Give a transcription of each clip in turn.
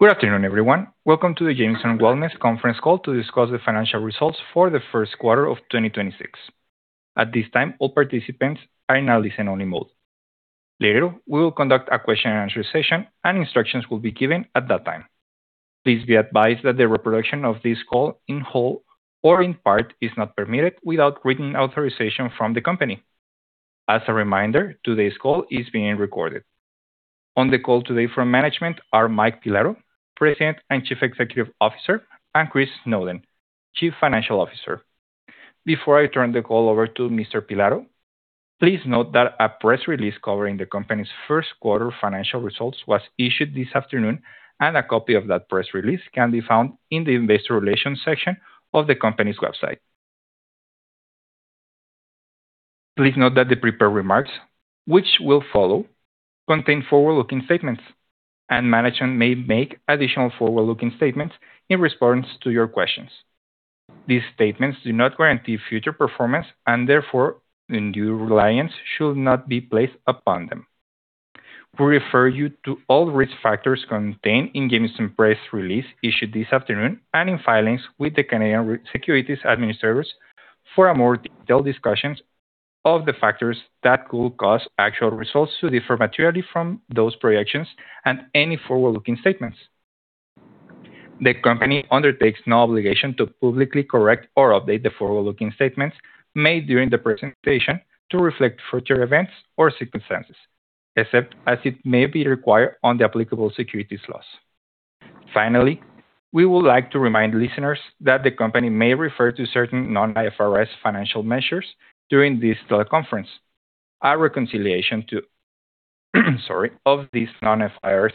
Good afternoon, everyone. Welcome to the Jamieson Wellness conference call to discuss the financial results for the first quarter of 2026. At this time, all participants are in a listen-only mode. Later, we will conduct a question-and-answer session and instructions will be given at that time. Please be advised that the reproduction of this call in whole or in part is not permitted without written authorization from the company. As a reminder, today's call is being recorded. On the call today from management are Mike Pilato, President and Chief Executive Officer, and Chris Snowden, Chief Financial Officer. Before I turn the call over to Mr. Pilato, please note that a press release covering the company's first quarter financial results was issued this afternoon, and a copy of that press release can be found in the investor relations section of the company's website. Please note that the prepared remarks which will follow contain forward-looking statements, and management may make additional forward-looking statements in response to your questions. These statements do not guarantee future performance, and therefore, undue reliance should not be placed upon them. We refer you to all risk factors contained in Jamieson's press release issued this afternoon and in filings with the Canadian Securities Administrators for a more detailed discussion of the factors that could cause actual results to differ materially from those projections and any forward-looking statements. The company undertakes no obligation to publicly correct or update the forward-looking statements made during the presentation to reflect future events or circumstances, except as it may be required under applicable securities laws. Finally, we would like to remind listeners that the company may refer to certain non-IFRS financial measures during this teleconference. A reconciliation of these non-IFRS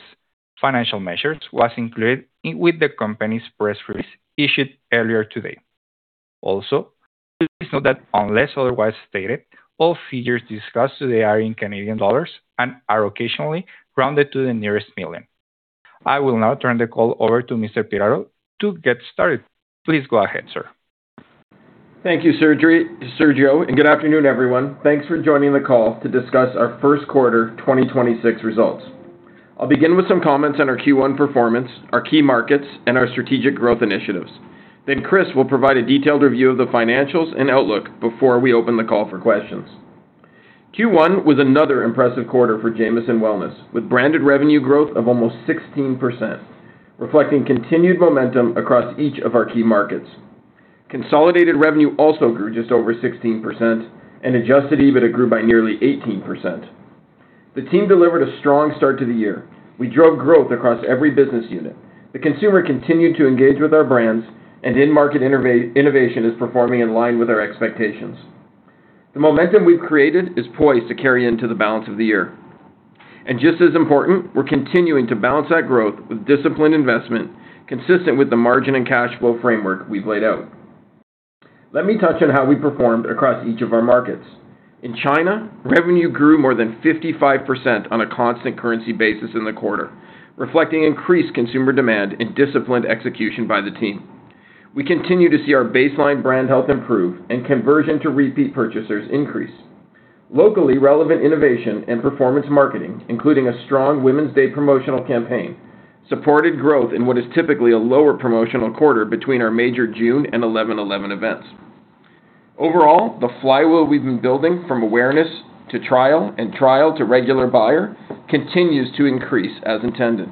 financial measures was included with the company's press release issued earlier today. Also, please note that unless otherwise stated, all figures discussed today are in Canadian dollars and are occasionally rounded to the nearest million. I will now turn the call over to Mr. Pilato to get started. Please go ahead, sir. Thank you, Sergio. Good afternoon, everyone. Thanks for joining the call to discuss our first quarter 2026 results. I'll begin with some comments on our Q1 performance, our key markets, and our strategic growth initiatives. Then Chris will provide a detailed review of the financials and outlook before we open the call for questions. Q1 was another impressive quarter for Jamieson Wellness, with branded revenue growth of almost 16%, reflecting continued momentum across each of our key markets. Consolidated revenue also grew just over 16% and adjusted EBITDA grew by nearly 18%. The team delivered a strong start to the year. We drove growth across every business unit. The consumer continued to engage with our brands and in-market innovation is performing in line with our expectations. The momentum we've created is poised to carry into the balance of the year. Just as important, we're continuing to balance that growth with disciplined investment consistent with the margin and cash flow framework we've laid out. Let me touch on how we performed across each of our markets. In China, revenue grew more than 55% on a constant currency basis in the quarter, reflecting increased consumer demand and disciplined execution by the team. We continue to see our baseline brand health improve and conversion to repeat purchasers increase. Locally relevant innovation and performance marketing, including a strong Women's Day promotional campaign, supported growth in what is typically a lower promotional quarter between our major June and 11/11 events. Overall, the flywheel we've been building from awareness to trial and trial to regular buyer continues to increase as intended.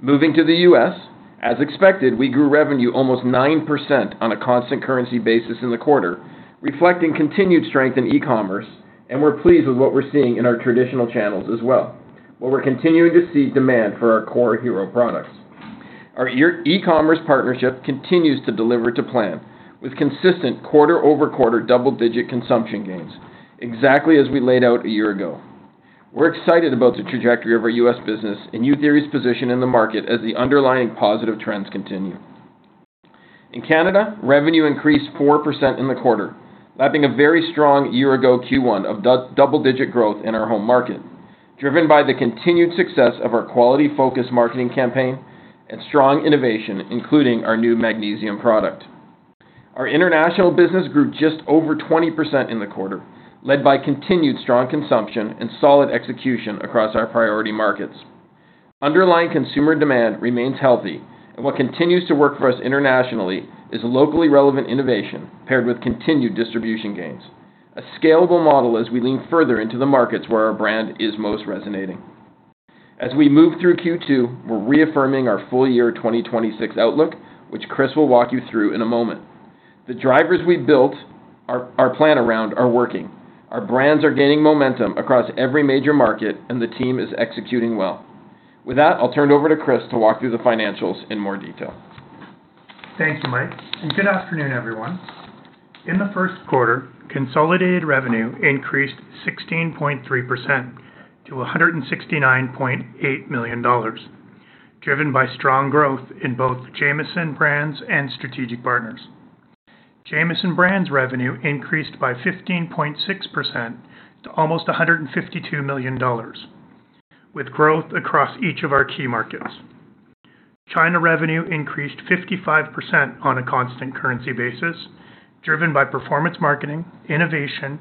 Moving to the U.S., as expected, we grew revenue almost 9% on a constant currency basis in the quarter, reflecting continued strength in e-commerce. We're pleased with what we're seeing in our traditional channels as well, where we're continuing to see demand for our core hero products. Our e-commerce partnership continues to deliver to plan with consistent quarter-over-quarter double-digit consumption gains, exactly as we laid out a year ago. We're excited about the trajectory of our U.S. business and youtheory's position in the market as the underlying positive trends continue. In Canada, revenue increased 4% in the quarter, lapping a very strong year ago Q1 of double-digit growth in our home market, driven by the continued success of our quality focus marketing campaign and strong innovation, including our new magnesium product. Our international business grew just over 20% in the quarter, led by continued strong consumption and solid execution across our priority markets. Underlying consumer demand remains healthy, what continues to work for us internationally is locally relevant innovation paired with continued distribution gains. A scalable model as we lean further into the markets where our brand is most resonating. As we move through Q2, we're reaffirming our full year 2026 outlook, which Chris will walk you through in a moment. The drivers we built our plan around are working. Our brands are gaining momentum across every major market, the team is executing well. With that, I'll turn it over to Chris to walk through the financials in more detail. Thank you, Mike Pilato, and good afternoon, everyone. In the first quarter, consolidated revenue increased 16.3% to 169.8 million dollars, driven by strong growth in both Jamieson Brands and strategic partners. Jamieson Brands revenue increased by 15.6% to almost 152 million dollars with growth across each of our key markets. China revenue increased 55% on a constant currency basis, driven by performance marketing, innovation,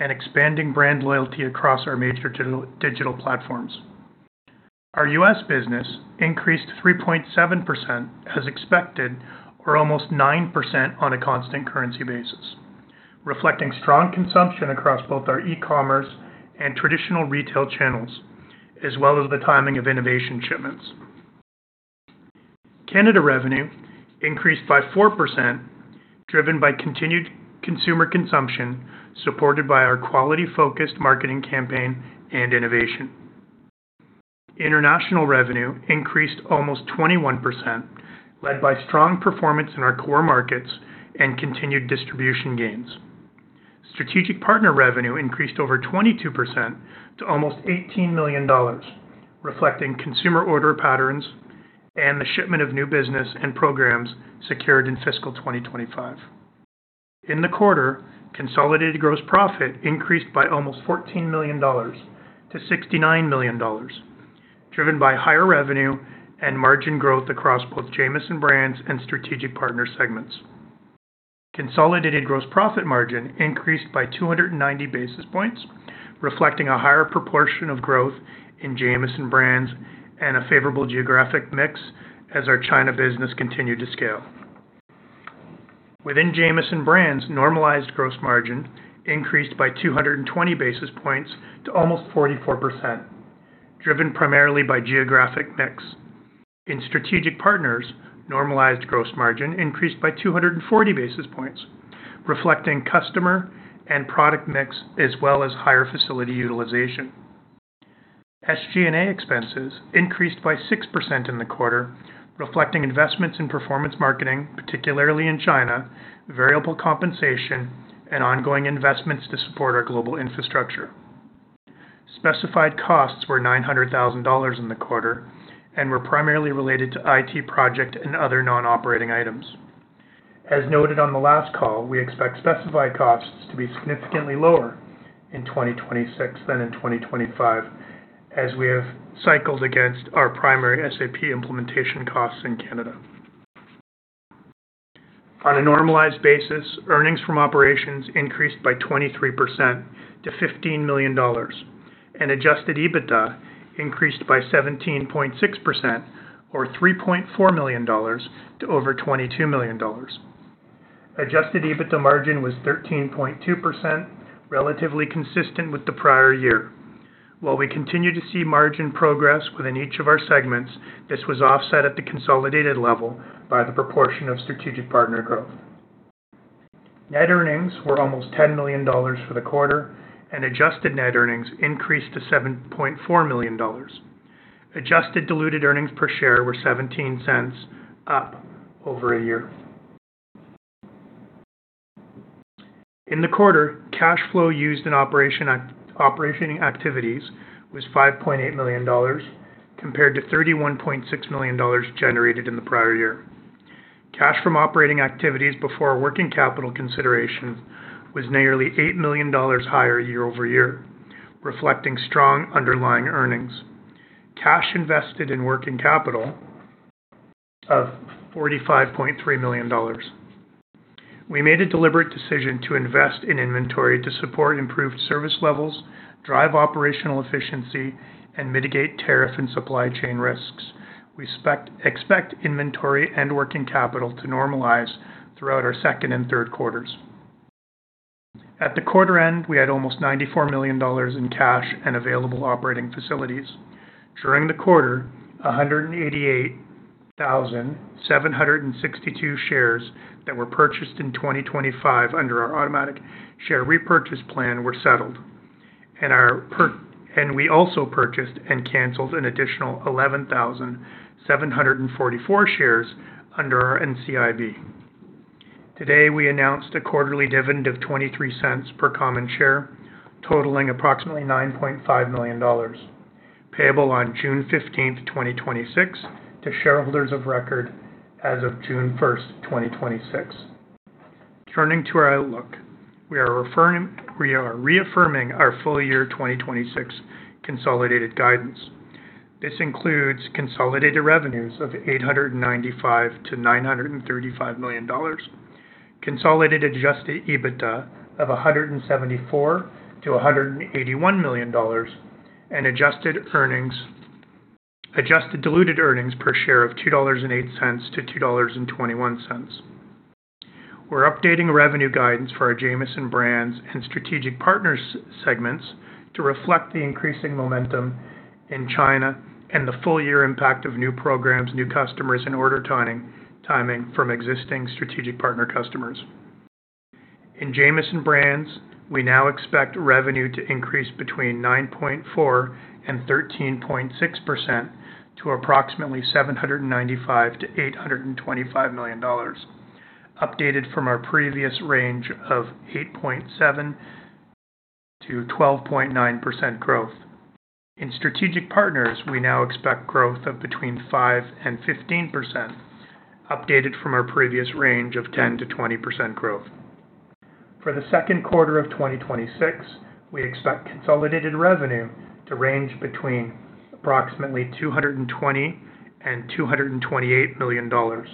and expanding brand loyalty across our major digital platforms. Our U.S. business increased 3.7% as expected or almost 9% on a constant currency basis, reflecting strong consumption across both our e-commerce and traditional retail channels, as well as the timing of innovation shipments. Canada revenue increased by 4%, driven by continued consumer consumption, supported by our quality-focused marketing campaign and innovation. International revenue increased almost 21%, led by strong performance in our core markets and continued distribution gains. Strategic partner revenue increased over 22% to almost 18 million dollars, reflecting consumer order patterns and the shipment of new business and programs secured in fiscal 2025. In the quarter, consolidated gross profit increased by almost 14 million-69 million dollars, driven by higher revenue and margin growth across both Jamieson Brands and strategic partner segments. Consolidated gross profit margin increased by 290 basis points, reflecting a higher proportion of growth in Jamieson Brands and a favorable geographic mix as our China business continued to scale. Within Jamieson Brands, normalized gross margin increased by 220 basis points to almost 44%, driven primarily by geographic mix. In strategic partners, normalized gross margin increased by 240 basis points, reflecting customer and product mix as well as higher facility utilization. SG&A expenses increased by 6% in the quarter, reflecting investments in performance marketing, particularly in China, variable compensation, and ongoing investments to support our global infrastructure. Specified costs were 900,000 dollars in the quarter and were primarily related to IT project and other non-operating items. As noted on the last call, we expect specified costs to be significantly lower in 2026 than in 2025, as we have cycled against our primary SAP implementation costs in Canada. On a normalized basis, earnings from operations increased by 23% to 15 million dollars, and adjusted EBITDA increased by 17.6% or CAD 3.4 million to over CAD 22 million. Adjusted EBITDA margin was 13.2%, relatively consistent with the prior year. While we continue to see margin progress within each of our segments, this was offset at the consolidated level by the proportion of strategic partner growth. Net earnings were almost 10 million dollars for the quarter, and adjusted net earnings increased to 7.4 million dollars. Adjusted diluted earnings per share were 0.17, up year-over-year. In the quarter, cash flow used in operation activities was 5.8 million dollars compared to 31.6 million dollars generated in the prior year. Cash from operating activities before working capital consideration was nearly 8 million dollars higher year-over-year, reflecting strong underlying earnings. Cash invested in working capital of 45.3 million dollars. We made a deliberate decision to invest in inventory to support improved service levels, drive operational efficiency, and mitigate tariff and supply chain risks. We expect inventory and working capital to normalize throughout our second and third quarters. At the quarter end, we had almost 94 million dollars in cash and available operating facilities. During the quarter, 188,762 shares that were purchased in 2025 under our automatic share repurchase plan were settled, and we also purchased and canceled an additional 11,744 shares under our NCIB. Today, we announced a quarterly dividend of 0.23 per common share, totaling approximately 9.5 million dollars, payable on June 15th, 2026 to shareholders of record as of June 1st, 2026. Turning to our outlook. We are reaffirming our full year 2026 consolidated guidance. This includes consolidated revenues of 895 million-935 million dollars, consolidated adjusted EBITDA of 174 million-181 million dollars, and adjusted diluted earnings per share of 2.08-2.21 dollars. We're updating revenue guidance for our Jamieson Brands and strategic partners segments to reflect the increasing momentum in China and the full year impact of new programs, new customers, and order timing from existing strategic partner customers. In Jamieson Brands, we now expect revenue to increase between 9.4%-13.6% to approximately 795 million-825 million dollars. Updated from our previous range of 8.7%-12.9% growth. In strategic partners, we now expect growth of between 5% and 15%, updated from our previous range of 10%-20% growth. For the second quarter of 2026, we expect consolidated revenue to range between approximately 220 million and 228 million dollars.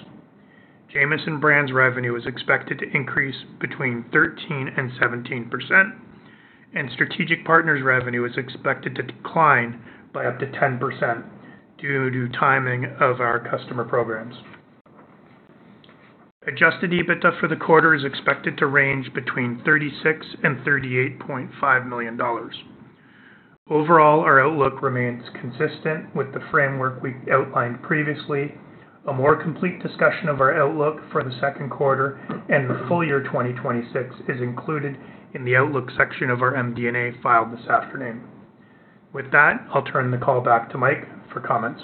Jamieson Brands revenue is expected to increase between 13% and 17%, and strategic partners revenue is expected to decline by up to 10% due to timing of our customer programs. Adjusted EBITDA for the quarter is expected to range between 36 million and 38.5 million dollars. Overall, our outlook remains consistent with the framework we outlined previously. A more complete discussion of our outlook for the second quarter and the full year 2026 is included in the outlook section of our MD&A filed this afternoon. With that, I'll turn the call back to Mike for comments.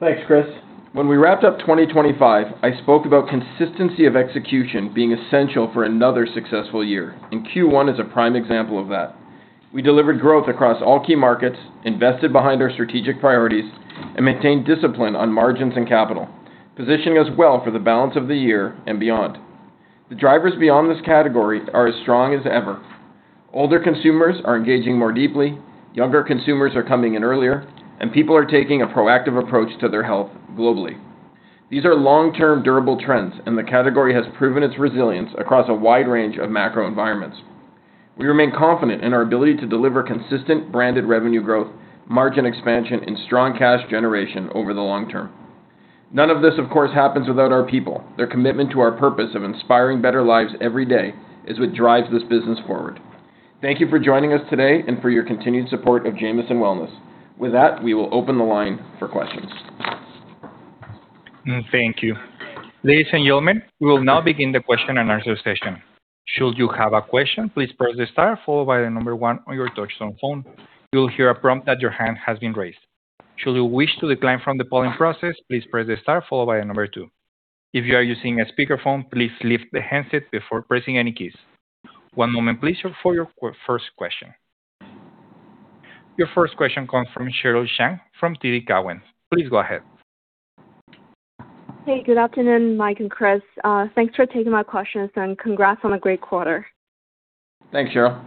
Thanks, Chris. When we wrapped up 2025, I spoke about consistency of execution being essential for another successful year, and Q1 is a prime example of that. We delivered growth across all key markets, invested behind our strategic priorities, and maintained discipline on margins and capital, positioning us well for the balance of the year and beyond. The drivers beyond this category are as strong as ever. Older consumers are engaging more deeply, younger consumers are coming in earlier, and people are taking a proactive approach to their health globally. These are long-term durable trends, and the category has proven its resilience across a wide range of macro environments. We remain confident in our ability to deliver consistent branded revenue growth, margin expansion, and strong cash generation over the long term. None of this, of course, happens without our people. Their commitment to our purpose of inspiring better lives every day is what drives this business forward. Thank you for joining us today and for your continued support of Jamieson Wellness. With that, we will open the line for questions. Thank you. Ladies and gentlemen, we will now begin the question and answer session. Should you have a question, please press star followed by the number one on your touchtone phone. You'll hear a prompt that your hand has been raised. Should you wish to decline from the polling process, please press the star followed by a number two. If you are using a speakerphone, please lift the handset before pressing any keys. One moment please for your first question. Your first question comes from Sheryl Shang from TD Cowen. Please go ahead. Hey, good afternoon, Mike and Chris. Thanks for taking my questions, and congrats on a great quarter. Thanks, Sheryl.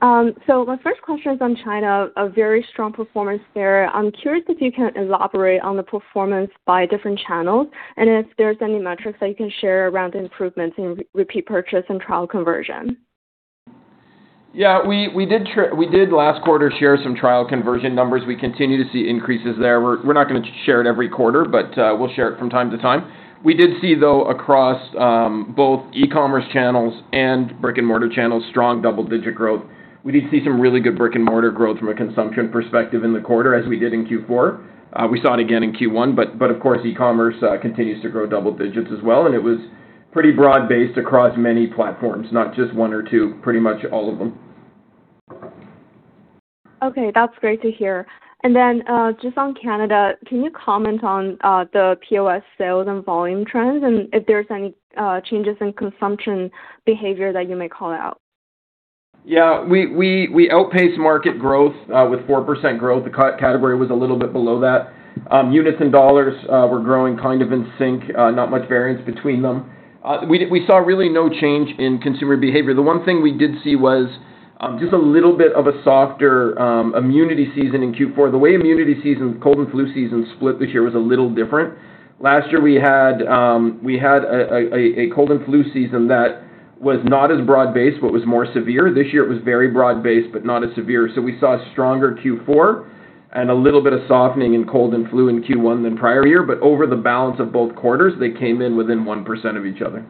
My first question is on China, a very strong performance there. I'm curious if you can elaborate on the performance by different channels and if there's any metrics that you can share around improvements in re-repeat purchase and trial conversion. Yeah, we did last quarter share some trial conversion numbers. We continue to see increases there. We're not gonna share it every quarter, but we'll share it from time to time. We did see, though, across both e-commerce channels and brick-and-mortar channels, strong double-digit growth. We did see some really good brick-and-mortar growth from a consumption perspective in the quarter, as we did in Q4. We saw it again in Q1, but of course, e-commerce continues to grow double digits as well, and it was pretty broad-based across many platforms, not just one or two, pretty much all of them. Okay, that's great to hear. Just on Canada, can you comment on the POS sales and volume trends and if there's any changes in consumption behavior that you may call out? Yeah, we outpaced market growth with 4% growth. The category was a little bit below that. Units and dollars were growing kind of in sync, not much variance between them. We saw really no change in consumer behavior. The one thing we did see was just a little bit of a softer immunity season in Q4. The way immunity season, cold and flu season split this year was a little different. Last year, we had a cold and flu season that was not as broad-based but was more severe. This year it was very broad-based but not as severe. We saw a stronger Q4 and a little bit of softening in cold and flu in Q1 than prior year. Over the balance of both quarters, they came in within 1% of each other.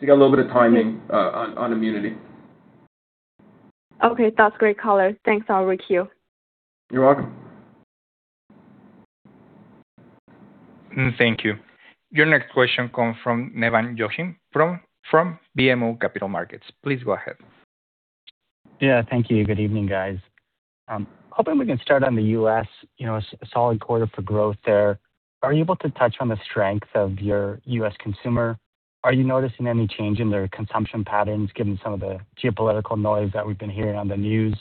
You got a little bit of timing on immunity. Okay, that's great color. Thanks. I'll queue. You're welcome. Thank you. Your next question comes from Nevin Joham from BMO Capital Markets. Please go ahead. Yeah, thank you. Good evening, guys. Hoping we can start on the U.S., you know, solid quarter for growth there. Are you able to touch on the strength of your U.S. consumer? Are you noticing any change in their consumption patterns, given some of the geopolitical noise that we've been hearing on the news?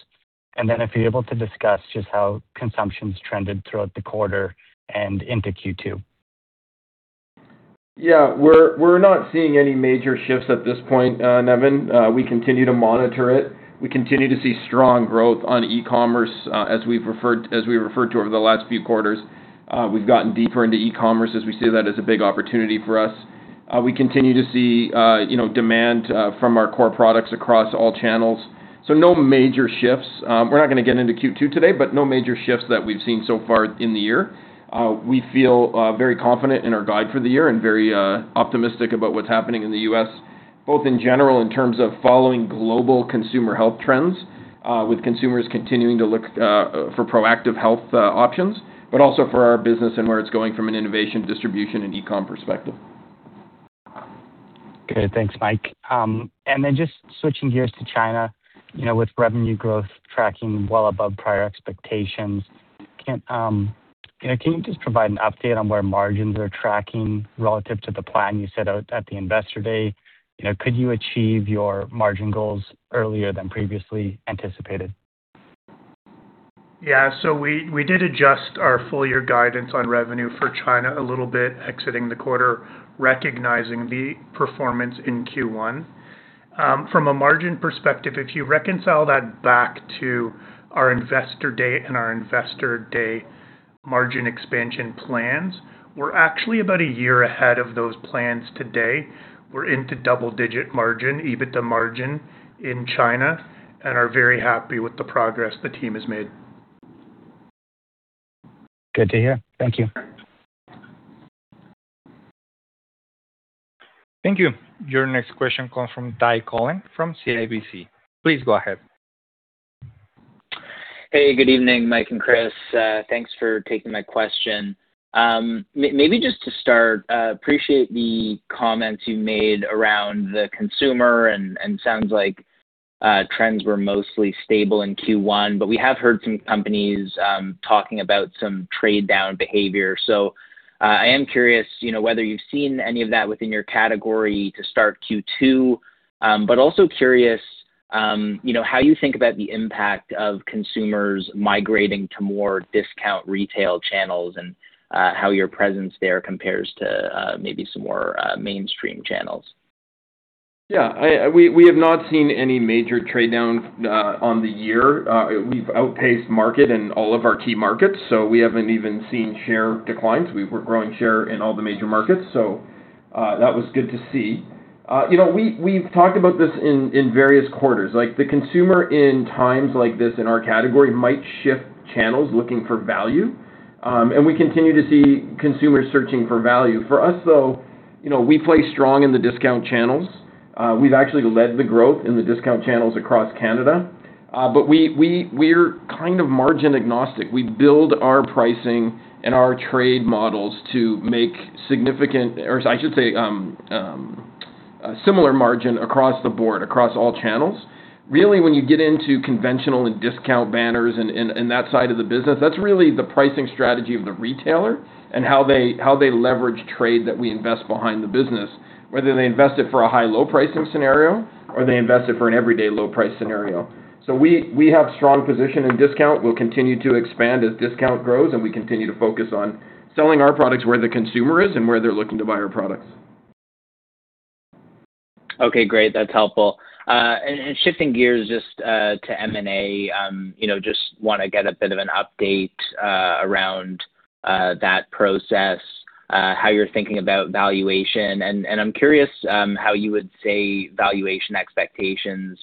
If you're able to discuss just how consumption's trended throughout the quarter and into Q2. We're not seeing any major shifts at this point, Nevin. We continue to monitor it. We continue to see strong growth on e-commerce, as we referred to over the last few quarters. We've gotten deeper into e-commerce as we see that as a big opportunity for us. We continue to see, you know, demand from our core products across all channels. No major shifts. We're not gonna get into Q2 today, no major shifts that we've seen so far in the year. We feel very confident in our guide for the year and very optimistic about what's happening in the U.S., both in general in terms of following global consumer health trends, with consumers continuing to look for proactive health options, but also for our business and where it's going from an innovation, distribution, and e-com perspective. Good. Thanks, Mike. Just switching gears to China, you know, with revenue growth tracking well above prior expectations, can you just provide an update on where margins are tracking relative to the plan you set out at the Investor Day? You know, could you achieve your margin goals earlier than previously anticipated? Yeah. We did adjust our full year guidance on revenue for China a little bit exiting the quarter, recognizing the performance in Q1. From a margin perspective, if you reconcile that back to our investor day and our investor day margin expansion plans, we're actually about a year ahead of those plans today. We're into double-digit margin, EBITDA margin in China and are very happy with the progress the team has made. Good to hear. Thank you. Thank you. Your next question comes from Ty Cohen from CIBC. Please go ahead. Hey, good evening, Mike and Chris. Thanks for taking my question. Maybe just to start, appreciate the comments you made around the consumer and sounds like trends were mostly stable in Q1. We have heard some companies talking about some trade down behavior. I am curious, you know, whether you've seen any of that within your category to start Q2. Also curious, you know, how you think about the impact of consumers migrating to more discount retail channels and how your presence there compares to maybe some more mainstream channels. Yeah. I, we have not seen any major trade down on the year. We've outpaced market in all of our key markets, so we haven't even seen share declines. We're growing share in all the major markets, so that was good to see. You know, we've talked about this in various quarters. Like, the consumer in times like this in our category might shift channels looking for value. We continue to see consumers searching for value. For us, though, you know, we play strong in the discount channels. We've actually led the growth in the discount channels across Canada. We're kind of margin agnostic. We build our pricing and our trade models to make a similar margin across the board, across all channels. Really, when you get into conventional and discount banners and that side of the business, that's really the pricing strategy of the retailer and how they leverage trade that we invest behind the business, whether they invest it for a high low pricing scenario or they invest it for an everyday low price scenario. We have strong position in discount. We'll continue to expand as discount grows, and we continue to focus on selling our products where the consumer is and where they're looking to buy our products. Okay, great. That's helpful. Shifting gears just to M&A, you know, just wanna get a bit of an update around that process, how you're thinking about valuation. I'm curious how you would say valuation expectations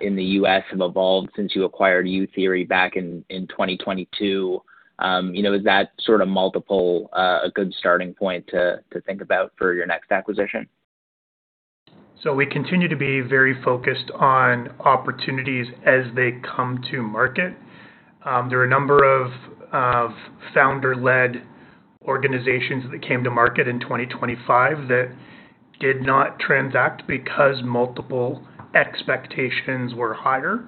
in the U.S. have evolved since you acquired youtheory back in 2022. You know, is that sort of multiple a good starting point to think about for your next acquisition? We continue to be very focused on opportunities as they come to market. There are a number of founder-led organizations that came to market in 2025 that did not transact because multiple expectations were higher.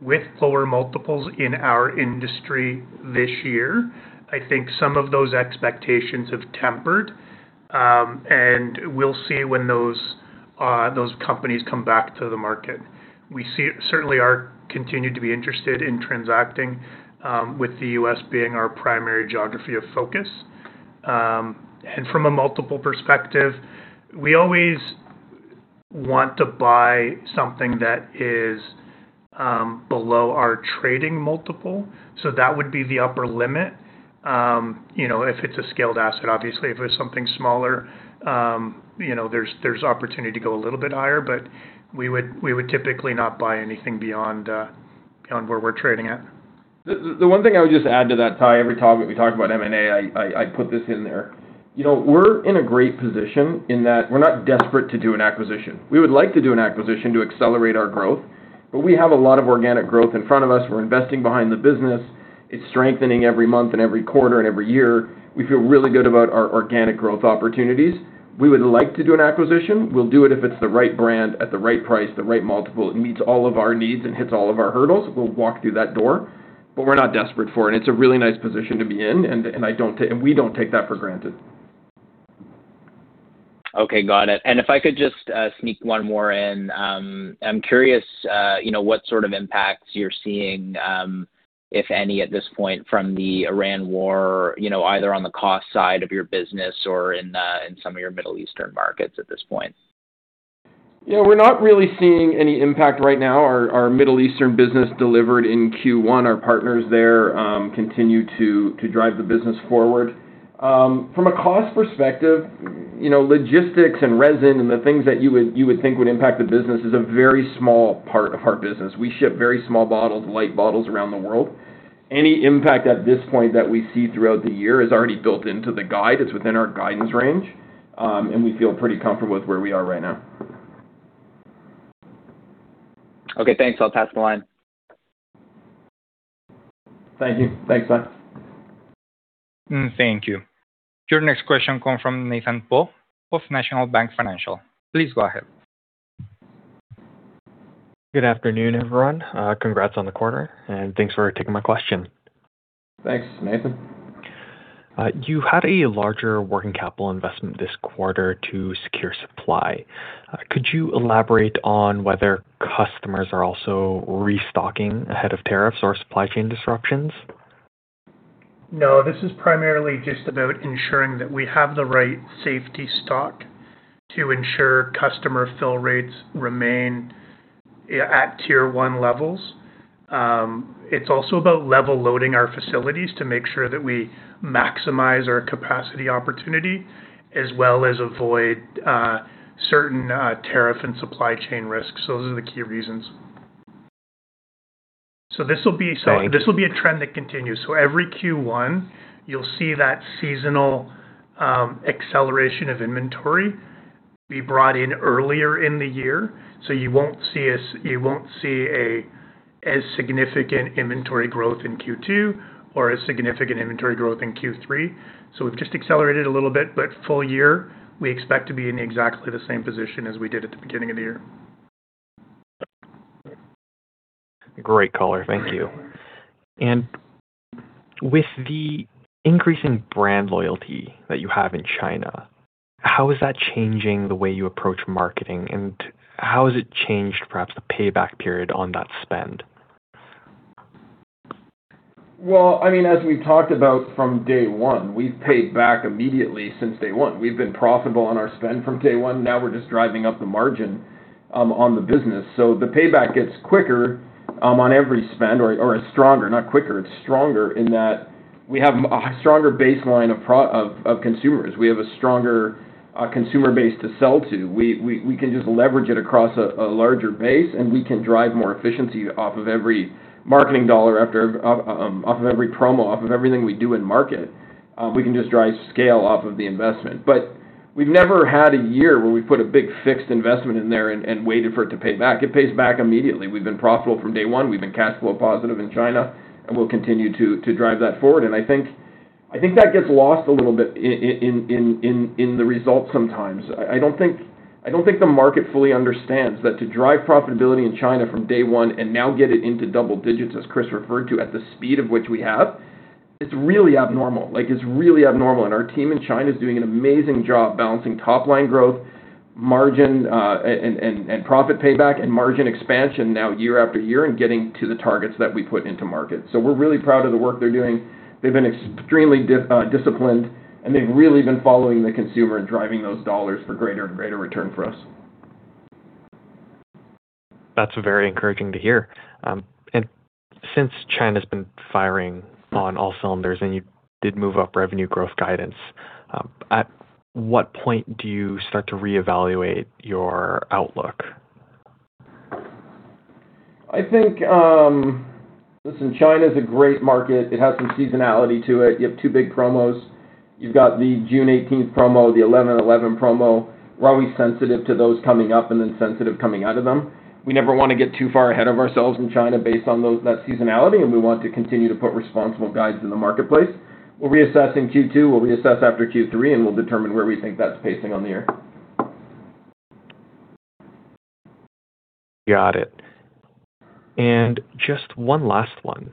With lower multiples in our industry this year, I think some of those expectations have tempered, and we'll see when those companies come back to the market. We certainly are continued to be interested in transacting with the U.S. being our primary geography of focus. From a multiple perspective, we always want to buy something that is below our trading multiple. That would be the upper limit, you know, if it's a scaled asset. Obviously, if it's something smaller, you know, there's opportunity to go a little bit higher. We would typically not buy anything beyond where we're trading at. The one thing I would just add to that, Ty, every time that we talk about M&A, I put this in there. You know, we're in a great position in that we're not desperate to do an acquisition. We would like to do an acquisition to accelerate our growth. We have a lot of organic growth in front of us. We're investing behind the business. It's strengthening every month and every quarter and every year. We feel really good about our organic growth opportunities. We would like to do an acquisition. We'll do it if it's the right brand at the right price, the right multiple. It meets all of our needs and hits all of our hurdles. We'll walk through that door. We're not desperate for it. It's a really nice position to be in. We don't take that for granted. Okay. Got it. If I could just, sneak one more in. I'm curious, you know, what sort of impacts you're seeing, if any at this point from the Iran war, you know, either on the cost side of your business or in some of your Middle Eastern markets at this point? Yeah. We're not really seeing any impact right now. Our Middle Eastern business delivered in Q1. Our partners there continue to drive the business forward. From a cost perspective, you know, logistics and resin and the things that you would think would impact the business is a very small part of our business. We ship very small bottles, light bottles around the world. Any impact at this point that we see throughout the year is already built into the guide. It's within our guidance range. We feel pretty comfortable with where we are right now. Okay, thanks. I'll pass the line. Thank you. Thanks, Ty. Thank you. Your next question comes from Nathan Po of National Bank Financial. Please go ahead. Good afternoon, everyone. Congrats on the quarter, and thanks for taking my question. Thanks, Nathan. You had a larger working capital investment this quarter to secure supply. Could you elaborate on whether customers are also restocking ahead of tariffs or supply chain disruptions? No, this is primarily just about ensuring that we have the right safety stock to ensure customer fill rates remain, yeah, at tier 1 levels. It's also about level loading our facilities to make sure that we maximize our capacity opportunity as well as avoid certain tariff and supply chain risks. Those are the key reasons. Got it. This will be a trend that continues. Every Q1, you'll see that seasonal acceleration of inventory be brought in earlier in the year. You won't see a significant inventory growth in Q2 or a significant inventory growth in Q3. We've just accelerated a little bit, but full year, we expect to be in exactly the same position as we did at the beginning of the year. Great color. Thank you. With the increase in brand loyalty that you have in China, how is that changing the way you approach marketing, and how has it changed perhaps the payback period on that spend? Well, I mean, as we've talked about from day one, we've paid back immediately since day one. We've been profitable on our spend from day one. Now we're just driving up the margin on the business. The payback gets quicker on every spend or it's stronger, not quicker. It's stronger in that we have a stronger baseline of consumers. We have a stronger consumer base to sell to. We can just leverage it across a larger base, and we can drive more efficiency off of every marketing dollar after off of every promo, off of everything we do in market. We can just drive scale off of the investment. We've never had a year where we put a big fixed investment in there and waited for it to pay back. It pays back immediately. We've been profitable from day one. We've been cash flow positive in China, we'll continue to drive that forward. I think that gets lost a little bit in the results sometimes. I don't think the market fully understands that to drive profitability in China from day one and now get it into double digits, as Chris referred to, at the speed of which we have, it's really abnormal. Like it's really abnormal. Our team in China is doing an amazing job balancing top-line growth, margin, profit payback and margin expansion now year after year and getting to the targets that we put into market. We're really proud of the work they're doing. They've been extremely disciplined, and they've really been following the consumer and driving those dollars for greater and greater return for us. That's very encouraging to hear. Since China's been firing on all cylinders and you did move up revenue growth guidance, at what point do you start to reevaluate your outlook? I think, listen, China's a great market. It has some seasonality to it. You have two big promos. You've got the June 18th promo, the 11/11 promo. We're always sensitive to those coming up and then sensitive coming out of them. We never wanna get too far ahead of ourselves in China based on those, that seasonality, and we want to continue to put responsible guides in the marketplace. We'll reassess in Q2, we'll reassess after Q3, and we'll determine where we think that's pacing on the year. Got it. Just one last one.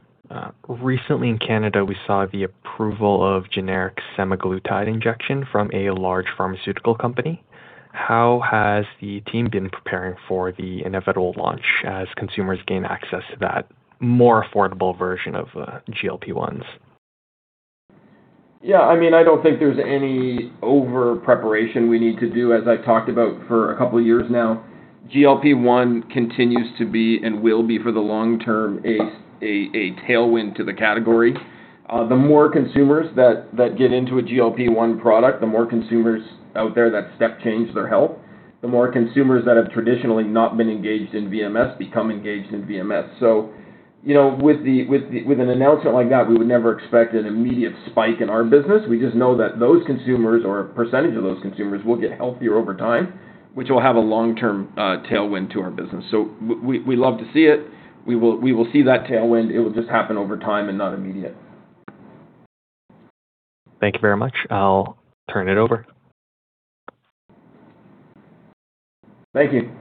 Recently in Canada, we saw the approval of generic semaglutide injection from a large pharmaceutical company. How has the team been preparing for the inevitable launch as consumers gain access to that more affordable version of GLP-1s? I mean, I don't think there's any overpreparation we need to do. As I've talked about for a couple of years now, GLP-1 continues to be and will be for the long term, a tailwind to the category. The more consumers that get into a GLP-1 product, the more consumers out there that step change their health, the more consumers that have traditionally not been engaged in VMS become engaged in VMS. You know, with the with an announcement like that, we would never expect an immediate spike in our business. We just know that those consumers or a percentage of those consumers will get healthier over time, which will have a long-term tailwind to our business. We love to see it. We will see that tailwind. It will just happen over time and not immediate. Thank you very much. I'll turn it over. Thank you.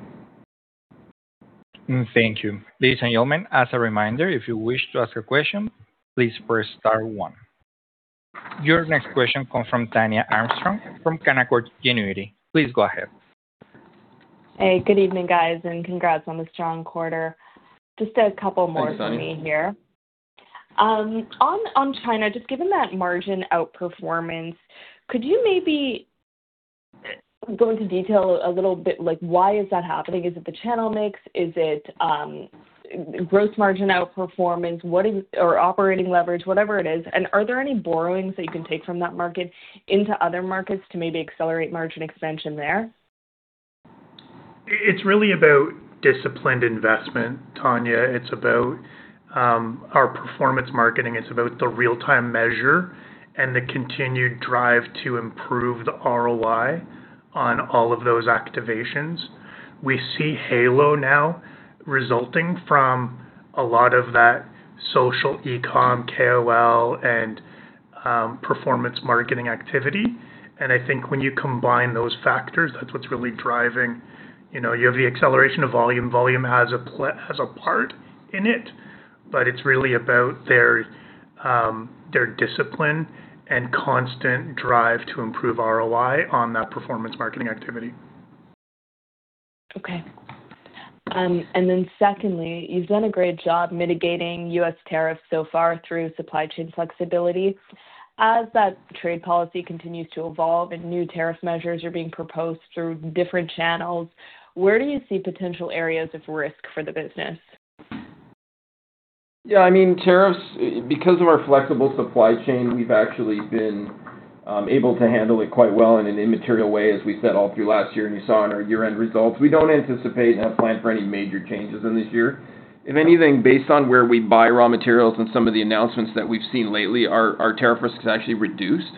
Thank you. Ladies and gentlemen, as a reminder, if you wish to ask a question, please press star one. Your next question comes from Tania Armstrong from Canaccord Genuity. Please go ahead. Hey, good evening, guys, and congrats on the strong quarter. Just a couple more from me here. Thanks, Tania. On China, just given that margin outperformance, could you maybe go into detail a little bit like why is that happening? Is it the channel mix? Is it, gross margin outperformance? What is or operating leverage, whatever it is. Are there any borrowings that you can take from that market into other markets to maybe accelerate margin expansion there? It's really about disciplined investment, Tania. It's about our performance marketing. It's about the real-time measure and the continued drive to improve the ROI on all of those activations. We see Halo now resulting from a lot of that social e-com, KOL, and performance marketing activity. I think when you combine those factors, that's what's really driving. You know, you have the acceleration of volume. Volume has a part in it, but it's really about their discipline and constant drive to improve ROI on that performance marketing activity. Okay. Secondly, you've done a great job mitigating U.S. tariffs so far through supply chain flexibility. As that trade policy continues to evolve and new tariff measures are being proposed through different channels, where do you see potential areas of risk for the business? Yeah, I mean, tariffs, because of our flexible supply chain, we've actually been able to handle it quite well in an immaterial way, as we said all through last year, and you saw in our year-end results. We don't anticipate and have planned for any major changes in this year. If anything, based on where we buy raw materials and some of the announcements that we've seen lately, our tariff risk has actually reduced.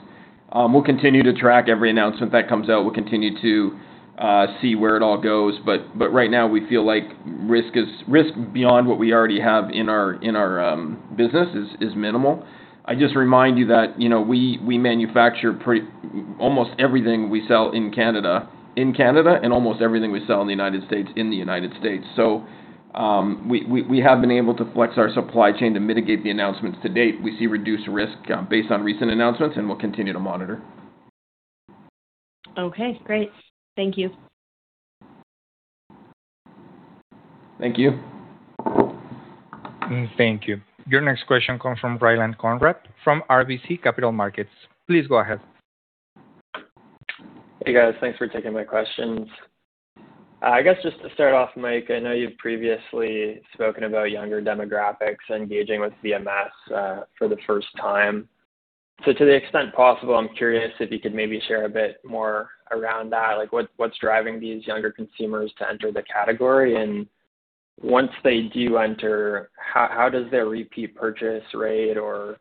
We'll continue to track every announcement that comes out. We'll continue to see where it all goes. Right now we feel like risk beyond what we already have in our business is minimal. I just remind you that, you know, we manufacture almost everything we sell in Canada, and almost everything we sell in the United States. We have been able to flex our supply chain to mitigate the announcements to date. We see reduced risk, based on recent announcements. We'll continue to monitor. Okay, great. Thank you. Thank you. Thank you. Your next question comes from Ryland Conrad from RBC Capital Markets. Please go ahead. Hey, guys. Thanks for taking my questions. I guess just to start off, Mike, I know you've previously spoken about younger demographics engaging with VMS for the first time. To the extent possible, I'm curious if you could maybe share a bit more around that. Like, what's driving these younger consumers to enter the category? Once they do enter, how does their repeat purchase rate or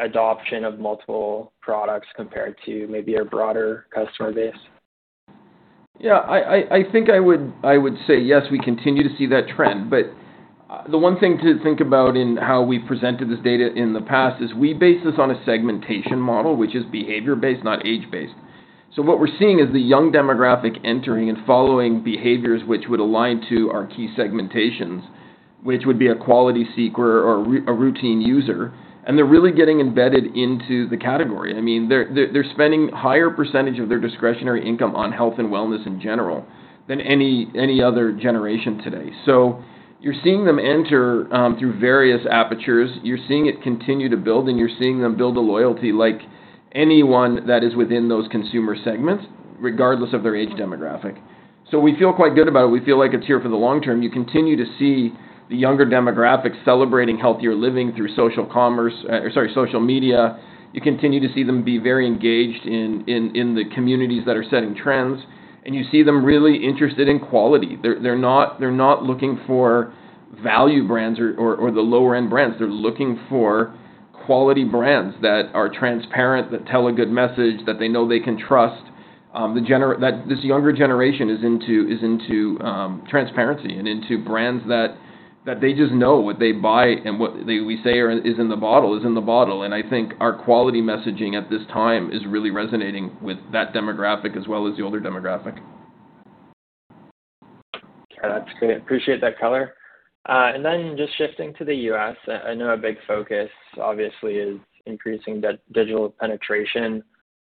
adoption of multiple products compare to maybe your broader customer base? I think I would say yes, we continue to see that trend. The one thing to think about in how we presented this data in the past is we base this on a segmentation model, which is behavior-based, not age-based. What we're seeing is the young demographic entering and following behaviors which would align to our key segmentations, which would be a quality seeker or a routine user. They're really getting embedded into the category. I mean, they're spending higher percentage of their discretionary income on health and wellness in general than any other generation today. You're seeing them enter through various apertures. You're seeing it continue to build, and you're seeing them build a loyalty like anyone that is within those consumer segments, regardless of their age demographic. We feel quite good about it. We feel like it's here for the long term. You continue to see the younger demographic celebrating healthier living through social commerce, sorry, social media. You continue to see them be very engaged in the communities that are setting trends, and you see them really interested in quality. They're not looking for value brands or the lower-end brands. They're looking for quality brands that are transparent, that tell a good message, that they know they can trust. This younger generation is into transparency and into brands that they just know what they buy and what we say are in the bottle, is in the bottle. I think our quality messaging at this time is really resonating with that demographic as well as the older demographic. Okay. That's great. Appreciate that color. Just shifting to the U.S., I know a big focus obviously is increasing digital penetration.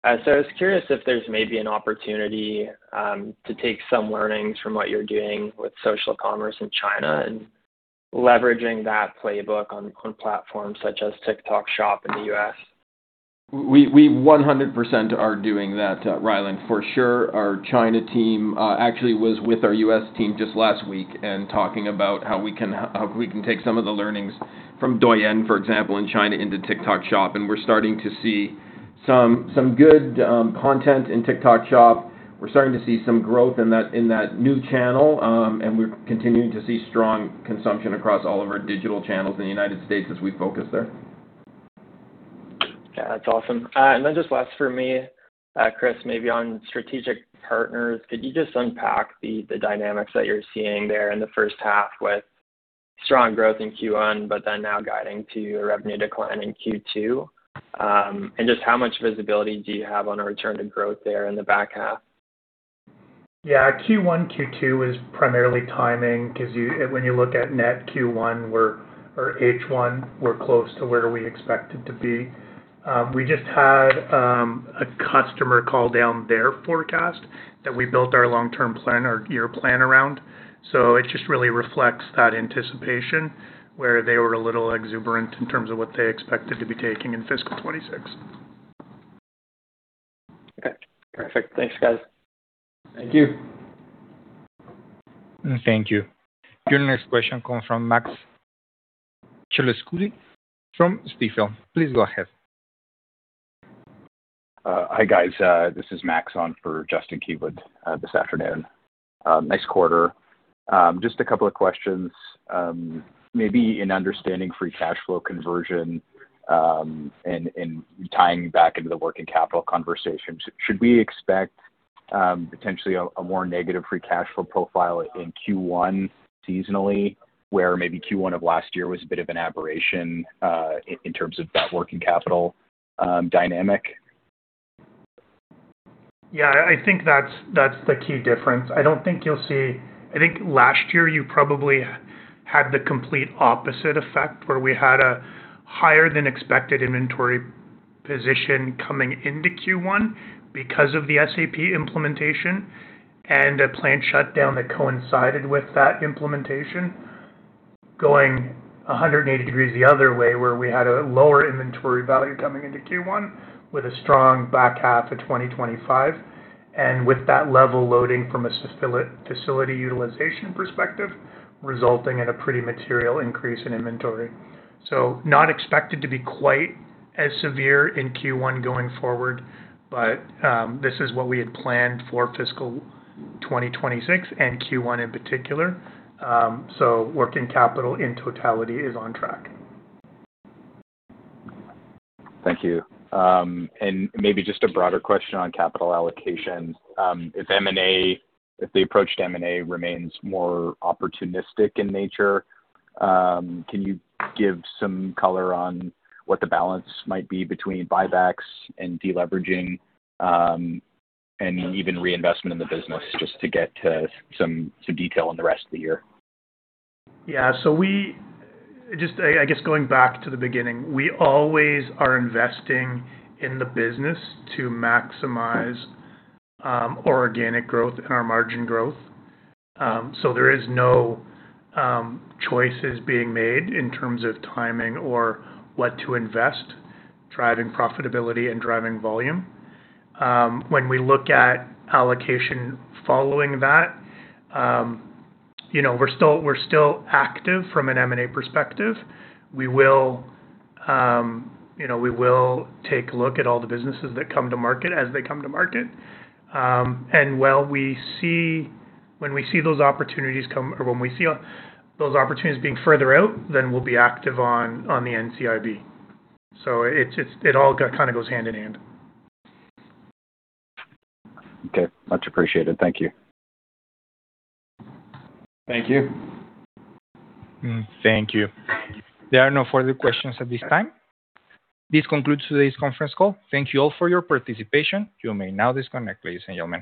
I was curious if there's maybe an opportunity to take some learnings from what you're doing with social commerce in China and leveraging that playbook on platforms such as TikTok Shop in the U.S.. We 100% are doing that, Ryland, for sure. Our China team actually was with our U.S. team just last week and talking about how we can take some of the learnings from Douyin, for example, in China into TikTok Shop. We're starting to see some good content in TikTok Shop. We're starting to see some growth in that new channel. We're continuing to see strong consumption across all of our digital channels in the United States as we focus there. Yeah. That's awesome. Just last for me, Chris, maybe on strategic partners, could you just unpack the dynamics that you're seeing there in the 1st half with strong growth in Q1, but then now guiding to a revenue decline in Q2? Just how much visibility do you have on a return to growth there in the back half? Yeah. Q1, Q2 is primarily timing 'cause you, when you look at net Q1, or H1, we're close to where we expected to be. We just had a customer call down their forecast that we built our long-term plan, our year plan around. It just really reflects that anticipation, where they were a little exuberant in terms of what they expected to be taking in fiscal 2026. Okay. Perfect. Thanks, guys. Thank you. Thank you. Your next question comes from Max Czmielewski from Stifel. Please go ahead. Hi, guys. This is Max on for Justin Keywood this afternoon. Nice quarter. Just a couple of questions. Maybe in understanding free cash flow conversion, and tying back into the working capital conversation, should we expect potentially a more negative free cash flow profile in Q1 seasonally, where maybe Q1 of last year was a bit of an aberration in terms of that working capital dynamic? Yeah, I think that's the key difference. I don't think you'll see I think last year you probably had the complete opposite effect, where we had a higher than expected inventory position coming into Q1 because of the SAP implementation and a plant shutdown that coincided with that implementation going 180 degrees the other way, where we had a lower inventory value coming into Q1 with a strong back half of 2025. With that level loading from a facility utilization perspective, resulting in a pretty material increase in inventory. Not expected to be quite as severe in Q1 going forward, but this is what we had planned for fiscal 2026 and Q1 in particular. Working capital in totality is on track. Thank you. Maybe just a broader question on capital allocation. If the approach to M&A remains more opportunistic in nature, can you give some color on what the balance might be between buybacks and deleveraging, and even reinvestment in the business? Just to get to some detail on the rest of the year. Going back to the beginning, we always are investing in the business to maximize our organic growth and our margin growth. There is no choices being made in terms of timing or what to invest, driving profitability and driving volume. When we look at allocation following that, you know, we're still active from an M&A perspective. We will, you know, we will take a look at all the businesses that come to market as they come to market. When we see those opportunities come or when we see those opportunities being further out, then we'll be active on the NCIB. It all kind of goes hand in hand. Okay. Much appreciated. Thank you. Thank you. Thank you. There are no further questions at this time. This concludes today's conference call. Thank you all for your participation. You may now disconnect, ladies and gentlemen.